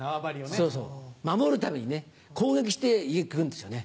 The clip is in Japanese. そうそう守るために攻撃して行くんですよね。